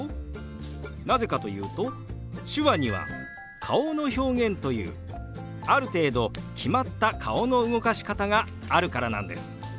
なぜかというと手話には顔の表現というある程度決まった顔の動かし方があるからなんです。